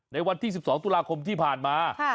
ในวันที่๑๒ตุลาคมที่ผ่านมา